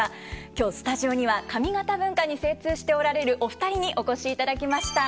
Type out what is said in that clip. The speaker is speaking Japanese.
今日スタジオには上方文化に精通しておられるお二人にお越しいただきました。